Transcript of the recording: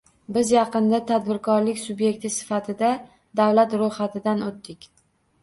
Biz yaqinda tadbirkorlik sub’ekti sifatida davlat ro‘yxatidan o‘tdik.